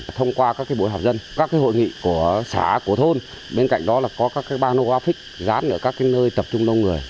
thông qua các bối hợp dân các hội nghị của xã của thôn bên cạnh đó là có các bàn logo affix dán ở các nơi tập trung lông người